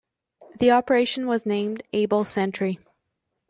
The operation was named "Able Sentry".